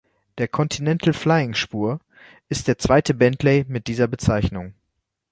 Der Continental Flying Spur ist der zweite Bentley mit dieser Bezeichnung.